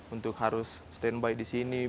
untuk harus stand by di sini